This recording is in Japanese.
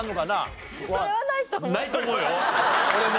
ないと思うよ俺も。